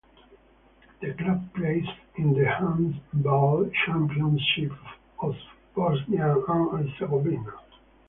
The club plays in the Handball Championship of Bosnia and Herzegovina.